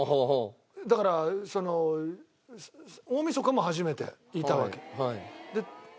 だからその大みそかも初めていたわけ。